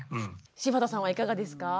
柴田さんはいかがですか？